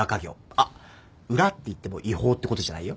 あっ裏っていっても違法ってことじゃないよ